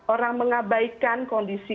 orang mengabaikan kondisi